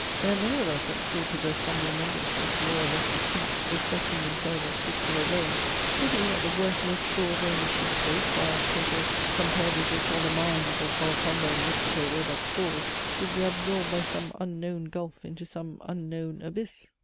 There are many of us that still possess some remembrances, more or less distinct, respecting themselves at six years old; pity that the worthless straws only should float, while treasures, compared with which all the mines of Golconda and Mexico were but straws, should be absorbed by some unknown gulf into some unknown abyss.